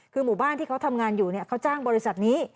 คือหมู่บ้านที่เขาทำงานอยู่เขาจ้างบริษัทนี้